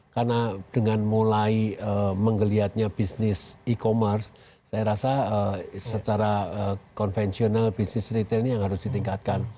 karena dengan mulai mengelihatnya bisnis e commerce saya rasa secara konvensional bisnis retail ini yang harus ditingkatkan